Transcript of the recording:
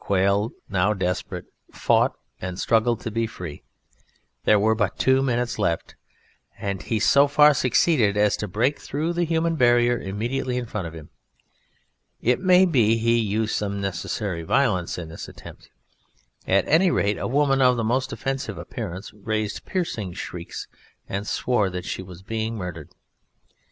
Quail, now desperate, fought and struggled to be free there were but two minutes left and he so far succeeded as to break through the human barrier immediately in front of him. It may be he used some necessary violence in this attempt; at any rate a woman of the most offensive appearance raised piercing shrieks and swore that she was being murdered.